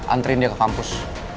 anterin dia ke kampus